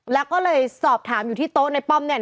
แล้วก็เลยสอบถามอยู่ที่โต๊ะในป้อมเนี่ย